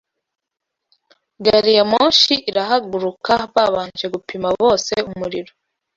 Gari ya moshi irahaguruka babanje gupima bose umuriro